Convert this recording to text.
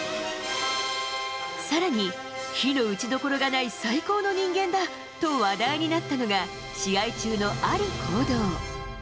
さらに、非の打ちどころがない最高の人間だと話題になったのが、試合中のある行動。